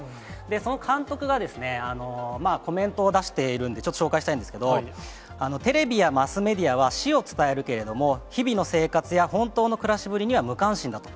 その監督が、コメントを出しているんで、ちょっと紹介したいんですけど、テレビやマスメディアは死を伝えるけれども、日々の生活や本当の暮らしぶりには無関心だと。